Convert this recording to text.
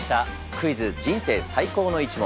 「クイズ！人生最高の一問」。